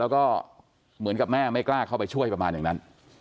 แล้วก็เหมือนกับแม่ไม่กล้าเข้าไปช่วยประมาณอย่างนั้น